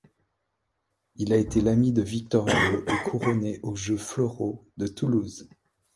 Il a été l'ami de Victor Hugo et couronné aux Jeux floraux de Toulouse.